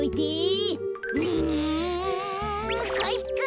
うんかいか！